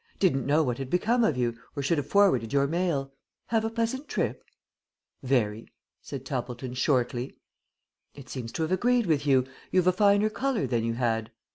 Didn't know what had become of you or should have forwarded your mail. Have a pleasant trip?" "Very," said Toppleton, shortly. "It seems to have agreed with you, you've a finer colour than you had."